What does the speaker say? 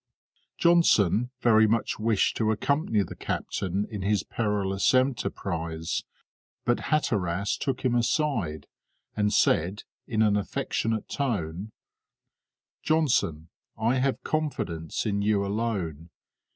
Johnson very much wished to accompany the captain in his perilous enterprise, but Hatteras took him aside, and said, in an affectionate tone: "Johnson, I have confidence in you alone.